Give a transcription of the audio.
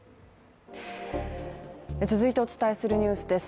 続いてお伝えするニュースです。